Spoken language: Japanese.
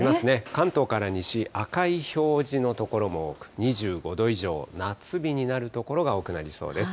関東から西、赤い表示の所も多く、２５度以上、夏日になる所が多くなりそうです。